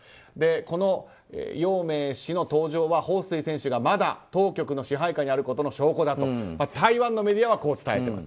このヨウ・メイ氏の登場はホウ・スイ選手がまだ当局の支配下にあることの証拠だと台湾のメディアはこう伝えています。